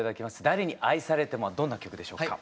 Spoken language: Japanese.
「誰に愛されても」はどんな曲でしょうか？